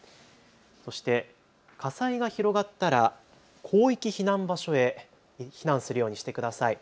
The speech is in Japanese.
そして火災が広がったら広域避難場所へ避難するようにしてください。